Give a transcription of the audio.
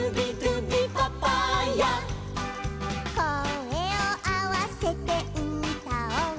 「こえをあわせてうたおう」